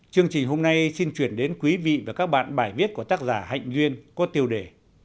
chương trình hôm nay xin chuyển đến quý vị và các bạn bài viết của tác giả hạnh duyên có tiêu đề